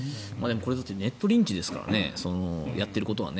これネットリンチですからねやっていることは。